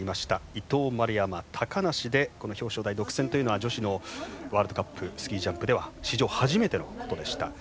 伊藤、丸山、高梨でこの表彰台独占というのは女子のワールドカップスキー・ジャンプでは史上初めてのことでした。